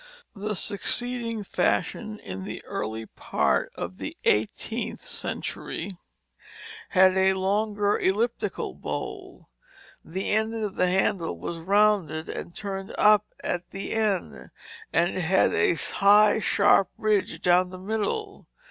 The succeeding fashion, in the early part of the eighteenth century, had a longer elliptical bowl. The end of the handle was rounded and turned up at the end, and it had a high sharp ridge down the middle.